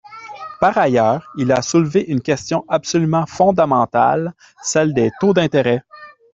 Par ailleurs, il a soulevé une question absolument fondamentale, celle des taux d’intérêt.